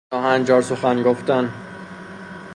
ناهنجار سخن گفتن